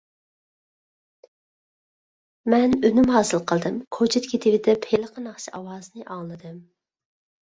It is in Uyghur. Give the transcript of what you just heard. مەن ئۈنۈم ھاسىل قىلدىم. كوچىدا كېتىۋېتىپ ھېلىقى ناخشا ئاۋازىنى ئاڭلىدىم.